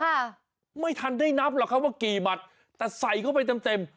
ค่ะไม่ทันได้นับหรอกครับว่ากี่หมัดแต่ใส่เข้าไปเต็มเต็ม